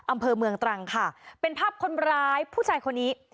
อำเภอเมืองตรังค่ะเป็นภาพคนร้ายผู้ชายคนนี้